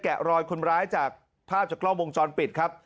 รอยคนร้ายจากภาพจากกล้องวงจรปิดครับ